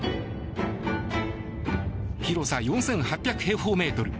広さ４８００平方メートル。